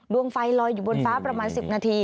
ดวงไฟลอยอยู่บนฟ้าประมาณ๑๐นาที